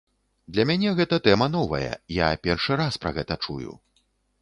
Для мяне гэта тэма новая, я першы раз пра гэта чую.